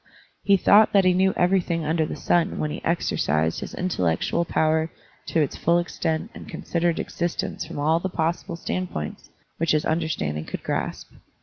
He thought that he knew everything under the stm when he exercised his intellectual power to its full extent and considered existence from all the possible standpoints which his understanding could grasp.